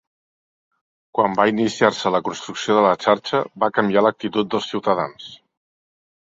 Quan va iniciar-se la construcció de la xarxa, va canviar l'actitud dels ciutadans.